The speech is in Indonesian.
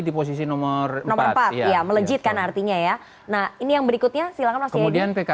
di posisi nomor empat nomor empat iya melejitkan artinya ya nah ini yang berikutnya silahkan mas jaya dianan kemudian